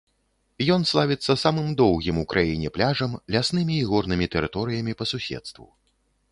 Ён славіцца самым доўгім у краіне пляжам, ляснымі і горнымі тэрыторыямі па суседству.